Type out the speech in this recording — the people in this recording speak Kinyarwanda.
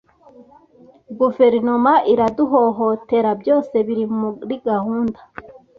Guverinoma iraduhohotera, byose biri muri gahunda